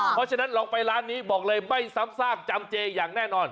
เพราะฉะนั้นลองไปร้านนี้บอกเลยไม่ซ้ำซากจำเจอย่างแน่นอน